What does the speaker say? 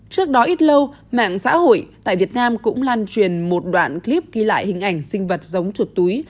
trước đó ít lâu mạng xã hội tại việt nam cũng lan truyền một đoạn clip ghi lại hình ảnh sinh vật giống chuột túi